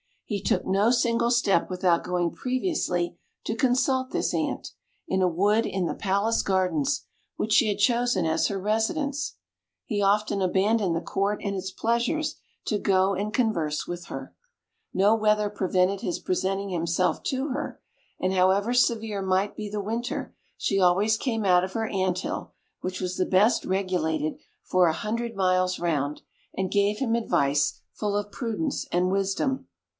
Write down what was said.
He took no single step without going previously to consult this Ant, in a wood in the palace gardens, which she had chosen as her residence. He often abandoned the Court and its pleasures to go and converse with her. No weather prevented his presenting himself to her, and however severe might be the winter, she always came out of her anthill, which was the best regulated for an hundred miles round, and gave him advice full of prudence and wisdom.